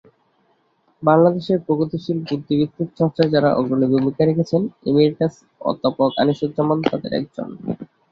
বাংলাদেশের প্রগতিশীল বুদ্ধিবৃত্তিক চর্চায় যাঁরা অগ্রণী ভূমিকা রেখেছেন, ইমেরিটাস অধ্যাপক আনিসুজ্জামান তাঁদের একজন।